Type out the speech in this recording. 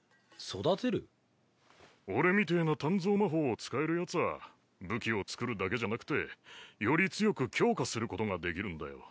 俺みてぇな鍛造魔法を使えるヤツは武器を作るだけじゃなくてより強く強化することができるんだよ。